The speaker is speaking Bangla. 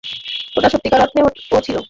ওটা সত্যিকার অর্থে ও ছিল না।